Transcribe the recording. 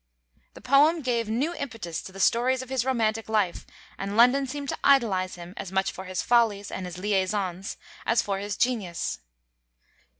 The poem gave new impetus to the stories of his romantic life, and London seemed to idolize him as much for his follies and his liaisons as for his genius.